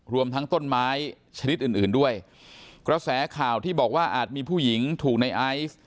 รวมทั้งต้นไม้ชนิดอื่นอื่นด้วยกระแสข่าวที่บอกว่าอาจมีผู้หญิงถูกในไอซ์